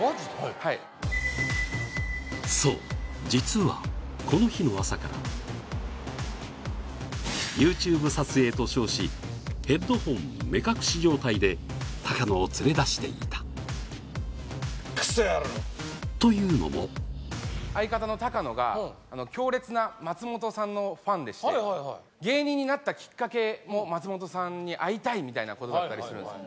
はいそう実はこの日の朝からＹｏｕＴｕｂｅ撮影と称しヘッドホン目隠し状態で高野を連れ出していたというのも相方の高野が強烈な松本さんのファンでして芸人になったきっかけも松本さんに会いたいみたいなことだったりするんですよ